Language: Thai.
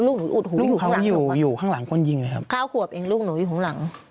ลูกหนูอุดหูอยู่ข้างหลัง